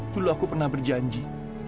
dulu aku pernah berjanji